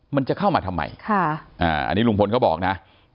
มันจะเข้ามาทำไมอันนี้ลุงพลเขาบอกนะ